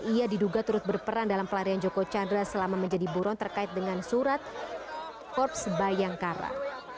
ia diduga turut berperan dalam pelarian joko chandra selama menjadi buron terkait dengan surat korps bayangkara